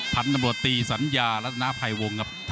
พันตำรวจตีสัญญาลัฐนาไพรวงศ์